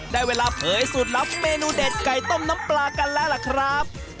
ได้เวลาเผยสูตรลับเมนูเด็ดไก่ต้มน้ำปลากันแล้วล่ะครับ